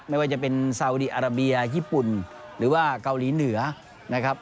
ไม่ว่าจะเป็นซาวดีอาราเบียญี่ปุ่นหรือว่าเกาหลีเหนือนะครับ